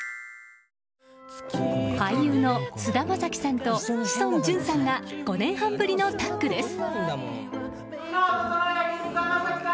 俳優の菅田将暉さんと志尊淳さんが５年半ぶりのタッグです。